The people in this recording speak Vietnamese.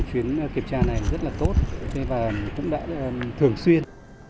chuyến kiểm tra này rất là tốt và cũng đã thường xuyên